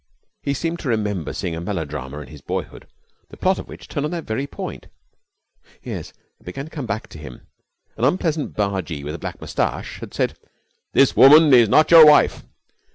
He seemed to remember seeing a melodrama in his boyhood the plot of which turned on that very point. Yes, it began to come back to him. An unpleasant bargee with a black moustache had said, 'This woman is not your wife!'